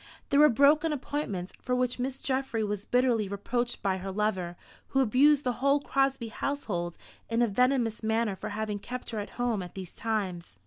There were broken appointments, for which Miss Geoffry was bitterly reproached by her lover, who abused the whole Crosby household in a venomous manner for having kept her at home at these times.